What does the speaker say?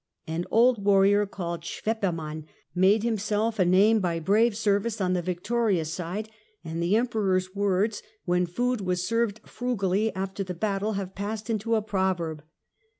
An old warrior called Schweppermann made himself a name by brave service on the victorious side, and the Emperor's words, when food was served frugally after the battle, have passed into a proverb.